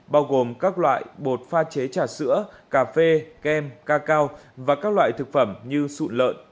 bao gồm các loại bột pha chế trà sữa cà phê kem cacao và các loại thực phẩm như sụn lợn